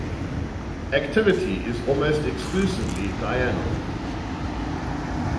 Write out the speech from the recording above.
Activity is almost exclusively diurnal.